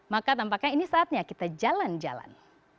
maka tampaknya ini saatnya kita jalan jalan